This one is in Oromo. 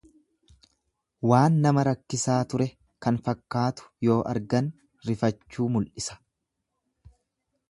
Waan nama rakkisaa ture kan fakkaatu yoo argan rifachuu mul'isa.